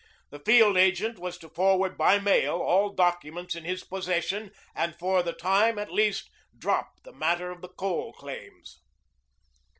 The field agent was to forward by mail all documents in his possession and for the time, at least, drop the matter of the coal claims.